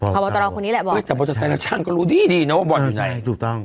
คุณก็รู้ดีเลยว่าบอลจะไหน